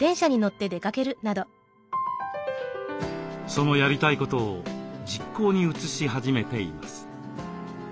そのやりたいことを実行に移し始めています。